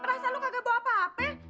perasaan lu kagak bawa apa apa